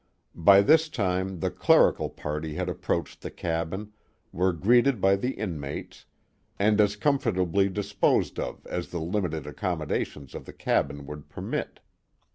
By this time the clerical party had approached the cabin, were greeted by the inmates, and as comfortably disposed of as the limited accommodations of the cabin would permit.